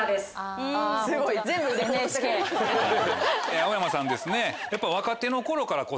青山さんですね。